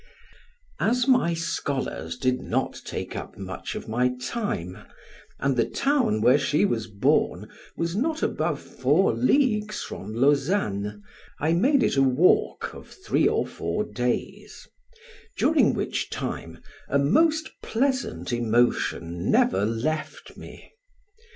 As my scholars did not take up much of my time, and the town where she was born was not above four leagues from Lausanne, I made it a walk of three or four days; during which time a most pleasant emotion never left me.